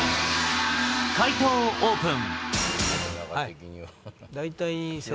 解答をオープン。